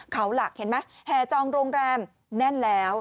เขาหลักเห็นไหมแห่จองโรงแรมแน่นแล้ว